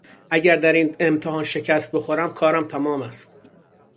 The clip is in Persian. اگر در این امتحان شکست بخورم کارم تمام است.